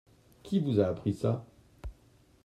Qui vous a appris ça ?